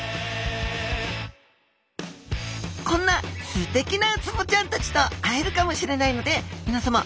こんなすてきなウツボちゃんたちと会えるかもしれないのでみなさま